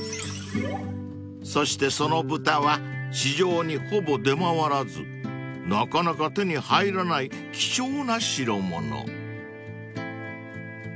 ［そしてその豚は市場にほぼ出回らずなかなか手に入らない希少な代物］